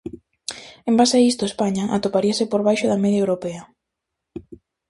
En base a isto, España atoparíase por baixo da media europea.